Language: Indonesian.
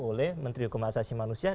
oleh menteri hukum asasi manusia